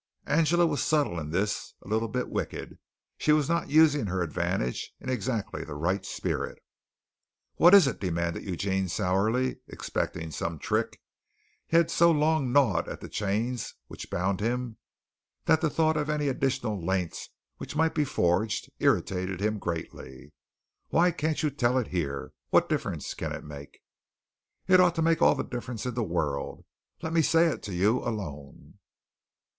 Angela was subtle in this, a little bit wicked. She was not using her advantage in exactly the right spirit. "What is it?" demanded Eugene sourly, expecting some trick. He had so long gnawed at the chains which bound him that the thought of any additional lengths which might be forged irritated him greatly. "Why can't you tell it here? What difference can it make?" "It ought to make all the difference in the world. Let me say it to you alone."